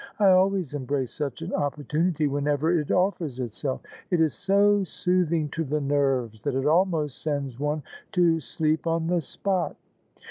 I always em brace such an opportunity whenever it offers itself: it is so soothing to the nerves that it almost sends one to sleep on the spot."